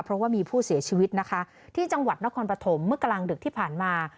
เพราะว่ามีผู้เสียชีวิตนะคะที่จังหวัดนครปฐมเมื่อกลางดึกที่ผ่านมา